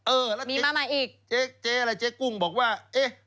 เออแล้วเจ๊เจ๊อะไรเจ๊กุ้งบอกว่าเอ๊ะ